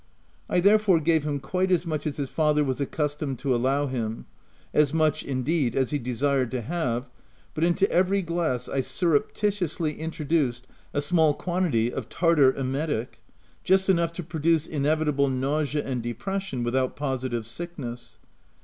I therefore gave him quite as much as his father was accustomed to allow him — as much indeed, as he desired to have, but into every glass I surreptitiously in troduced a small quantity of tartar emetic — just enough to produce inevitable nausea and depression without positive sickness.